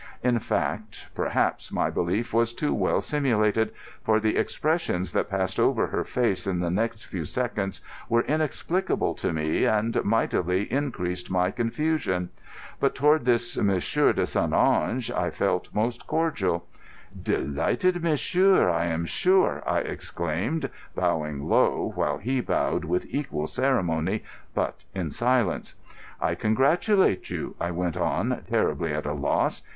In fact, perhaps my belief was too well simulated, for the expressions that passed over her face in the next few seconds were inexplicable to me and mightily increased my confusion. But toward this "Monsieur de St. Ange" I felt most cordial. "Delighted, monsieur, I am sure," I exclaimed, bowing low, while he bowed with equal ceremony, but in silence. "I congratulate you," I went on, terribly at a loss.